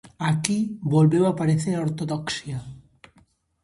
Aquí volveu aparecer a ortodoxia.